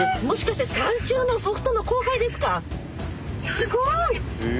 すごい！